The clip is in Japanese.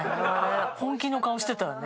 本気の顔してたわね。